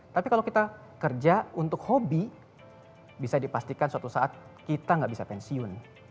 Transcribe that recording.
tapi kalau kita kerja untuk hobi bisa dipastikan suatu saat kita nggak bisa pensiun